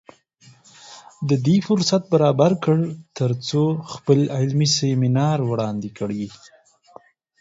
د دې فرصت برابر کړ تر څو خپل علمي سیمینار وړاندې کړي